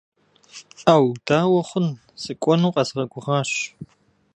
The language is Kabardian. Ӏэу, дауэ хъун, сыкӏуэну къэзгъэгугъащ.